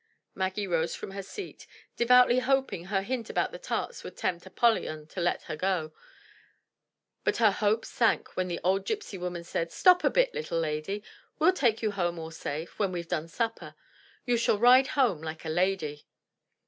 Maggie rose from her seat, devoutly hoping her hint about the tarts would tempt Apollyon to let her go, but her hope sank when the old gypsy woman said, "Stop a bit, little lady; we'll take you home all safe, when we've done supper. You shall ride home like a lady."